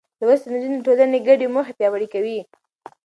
لوستې نجونې د ټولنې ګډې موخې پياوړې کوي.